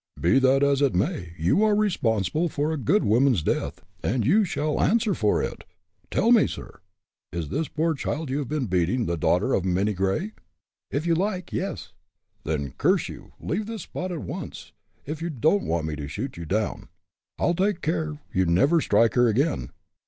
"Be that as it may, you are responsible for a good woman's death, and you shall answer for it. Tell me, sir is this poor child you have been beating, the daughter of Minnie Gray?" "If you like, yes." "Then, curse you, leave this spot at once, if you don't want me to shoot you down. I'll take care you never strike her again!